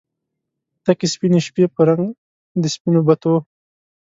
تکې سپینې شپې په رنګ د سپینو بتو